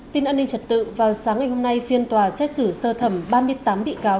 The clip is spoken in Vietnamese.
tin an ninh trật tự vào sáng ngày hôm nay phiên tòa xét xử sơ thẩm ba mươi tám bị cáo